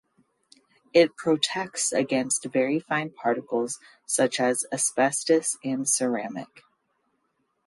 It protects against very fine particles such as asbestos and ceramic.